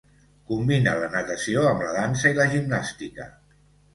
Combina la natació amb la dansa i la gimnàstica.